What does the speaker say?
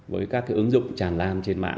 với các ứng dụng tràn lam trên mạng